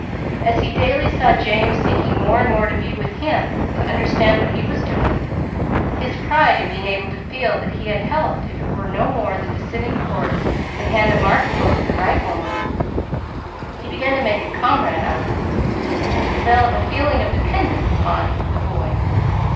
As he daily saw James seeking more and more to be with him, to understand what he was doing, his pride in being able to feel that he had helped if it were no more than to sit in court and hand a marked book at the right moment, he began to make a comrade of, and to develop a feeling of dependence on, the boy.